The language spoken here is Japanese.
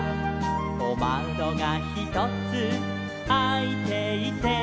「おまどがひとつあいていて」